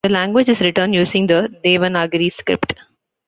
The language is written using the Devanagari script.